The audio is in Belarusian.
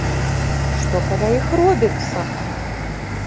Што каля іх робіцца?!